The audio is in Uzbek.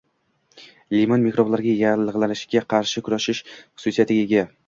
Limon mikroblarga, yallig‘lanishga qarshi kurashish xususiyatiga ega.